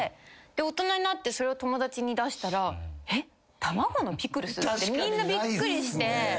大人になってそれを友達に出したら。ってみんなびっくりして。